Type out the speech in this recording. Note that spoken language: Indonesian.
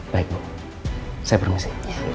baik bu saya permisi